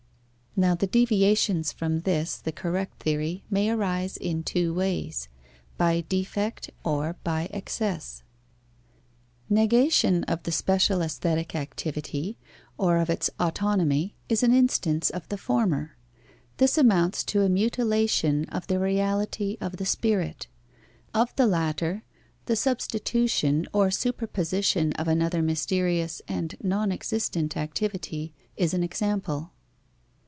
Now the deviations from this, the correct theory, may arise in two ways: by defect or by excess. Negation of the special aesthetic activity, or of its autonomy, is an instance of the former. This amounts to a mutilation of the reality of the spirit. Of the latter, the substitution or superposition of another mysterious and non existent activity is an example.